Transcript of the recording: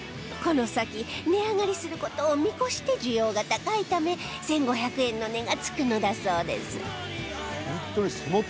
この先値上がりする事を見越して需要が高いため１５００円の値がつくのだそうです